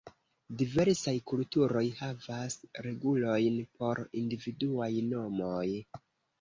Diversaj kulturoj havas regulojn por individuaj nomoj.